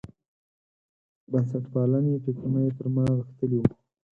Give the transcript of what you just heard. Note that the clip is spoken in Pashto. بنسټپالنې فکرونه یې تر ما غښتلي وو.